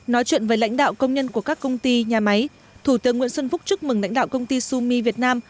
nói chuyện với lãnh đạo công nhân của các công ty nhà máy thủ tướng nguyễn xuân phúc chúc mừng lãnh đạo công ty summi việt nam